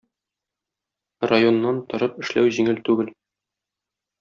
Районнан торып эшләү җиңел түгел.